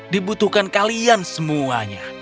dibutuhkan kalian semuanya